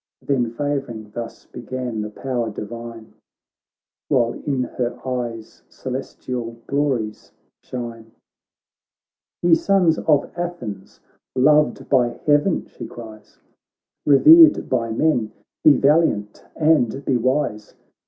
Then favouring, thus began the power divine. While in her eyes celestial glories shine :' Ye sons of Athens, loved by heaven,' she cries, ' Revered by men, be valiantand be wise.